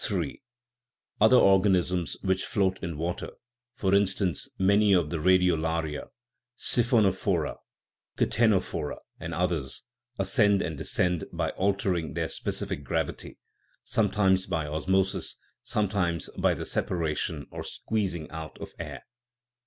in THE RIDDLE OF THE UNIVERSE III. Other organisms which float in water for in stance, many of the radiolaria, siphonophora, kteno phora, and others ascend and descend by altering their specific gravity, sometimes by osmosis, sometimes by the separation or squeezing out of air.